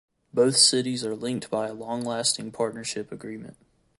Both cities are linked by a long-lasting partnership agreement.